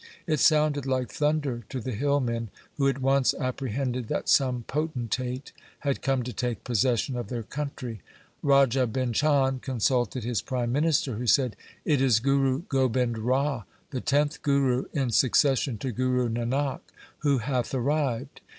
It sounded like thunder to the hillmen, who at once apprehended that some potentate had come to take possession of their country. Raja Bhim Chand consulted his LIFE OF GURU GOBIND SINGH 7 prime minister who said, ' It is Guru Gobind Rai, the tenth Guru in succession to Guru Nanak, who hath arrived.